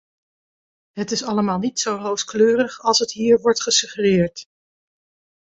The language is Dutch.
Het is allemaal niet zo rooskleurig als het hier wordt gesuggereerd.